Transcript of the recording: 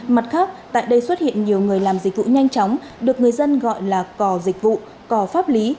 mặt khác tại đây xuất hiện nhiều người làm dịch vụ nhanh chóng được người dân gọi là cò dịch vụ cò pháp lý